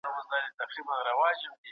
د ذهني ستړیا وروستۍ مرحله خاموشي ده.